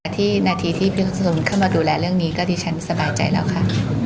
ที่นาทีที่พี่สนุนเข้ามาดูแลเรื่องนี้ก็ดิฉันสบายใจแล้วค่ะ